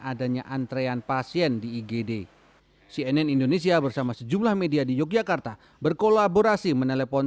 adanya antrean pasien di igd cnn indonesia bersama sejumlah media di yogyakarta berkolaborasi menelpon